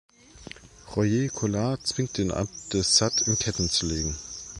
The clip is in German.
Royer-Collard zwingt den Abt, de Sade in Ketten zu legen.